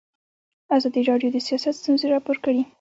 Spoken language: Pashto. ازادي راډیو د سیاست ستونزې راپور کړي.